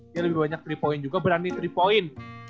dia lebih banyak tiga point juga berani tiga point